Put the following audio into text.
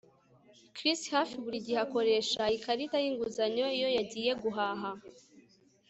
Chris hafi buri gihe akoresha ikarita yinguzanyo iyo yagiye guhaha